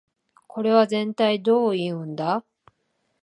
これはぜんたいどういうんだ